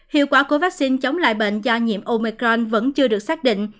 hiệu quả của vaccine chống lại bệnh do nhiễm omecron vẫn chưa được xác định